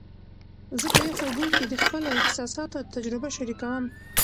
زه په یخو اوبو کې د خپلو احساساتو تجربه شریکوم.